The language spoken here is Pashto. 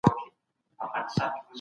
ليکنه وکړه.